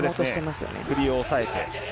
首を押さえて。